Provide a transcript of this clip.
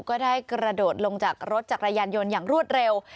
ก็ได้กระโดดลงจากรถจักรยานยนต์อย่างรวดเร็ว